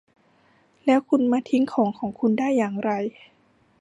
แล้วคุณมาทิ้งของของคุณได้อย่างไร ?